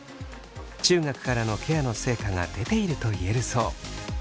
中学からのケアの成果が出ていると言えるそう。